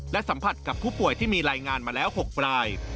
และสัมผัสกับผู้ป่วยที่มีรายงานมาแล้ว๖ราย